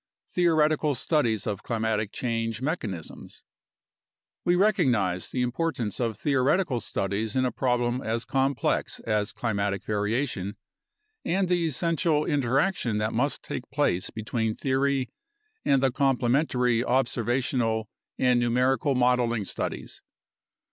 Theoretical Studies of Climatic Change Mechanisms We recognize the importance of theoretical studies in a problem as complex as climatic variation and the essential interaction that must take place between theory and the complementary observational and numerical modeling studies.